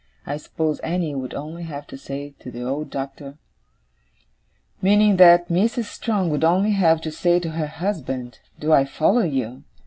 I suppose Annie would only have to say to the old Doctor ' 'Meaning that Mrs. Strong would only have to say to her husband do I follow you?